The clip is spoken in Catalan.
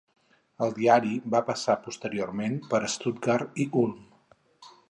El diari va passar posteriorment per Stuttgart i Ulm.